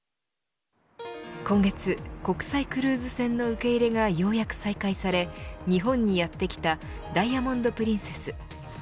今月、国際クルーズ船の受け入れがようやく再開され日本にやってきたダイヤモンド・プリンセス。